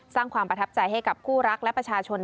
สร้างความประทับใจให้กับคู่รักและประชาชน